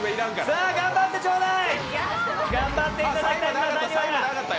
さあ、頑張ってちょーだい。